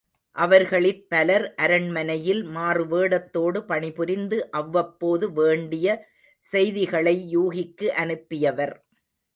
அவர்களிற் பலர் அரண்மனையில் மாறுவேடத்தோடு பணிபுரிந்து அவ்வப்போது வேண்டிய செய்திகளை யூகிக்கு அனுப்பியவர்.